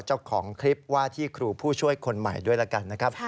เจ้าของคลิปว่าที่ครูผู้ช่วยคนใหม่ด้วยแล้วกันนะครับ